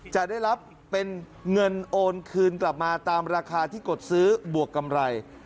จะได้รับเป็นเงินโอนคืนกลับมาตามราคาที่กดซื้อบวกกำไร